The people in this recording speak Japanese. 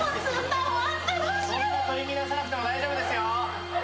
そんな取り乱さなくても大丈夫ですよ。